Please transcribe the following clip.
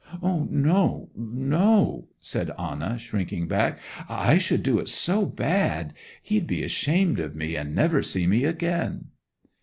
'No, no,' said Anna, shrinking back. 'I should do it so bad. He'd be ashamed of me, and never see me again!